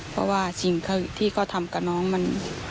เพราะว่าสิ่งที่เขาทำกับน้องมัน